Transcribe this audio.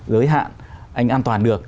giới hạn anh an toàn được